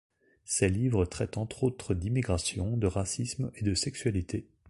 Ses livres traitent entre autres d'immigration, de racisme et de sexualité.